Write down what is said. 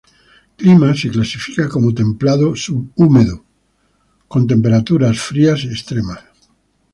Clima Se clasifica como templado subhúmedo, con temperaturas frías extremas.